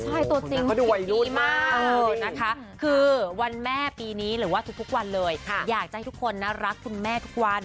ใช่ตัวจริงสวยดีมากนะคะคือวันแม่ปีนี้หรือว่าทุกวันเลยอยากจะให้ทุกคนรักคุณแม่ทุกวัน